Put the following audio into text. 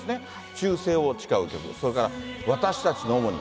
忠誠を誓う曲、それから私たちのオモニ。